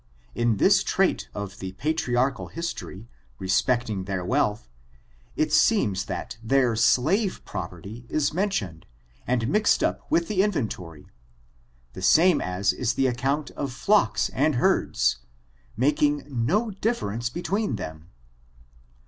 In this /rait of the I ' r FORTUNES, OF THE NECFRO RACE. ISft patriarchal history, respecting their wealth, it sc^eds that their slave property is mentioned, and mixed up with the inventory, the same as is the account of fiocks and herds, making no difference between them.